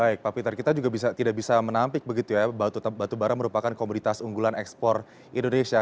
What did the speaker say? baik pak peter kita juga tidak bisa menampik begitu ya batubara merupakan komoditas unggulan ekspor indonesia